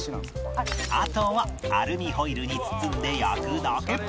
あとはアルミホイルに包んで焼くだけ